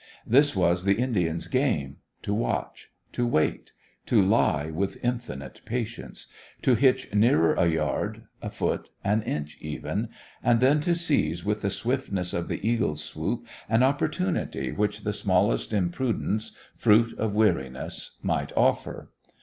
This was the Indians' game to watch; to wait; to lie with infinite patience; to hitch nearer a yard, a foot, an inch even; and then to seize with the swiftness of the eagle's swoop an opportunity which the smallest imprudence, fruit of weariness, might offer.